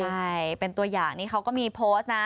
ใช่เป็นตัวอย่างนี้เขาก็มีโพสต์นะ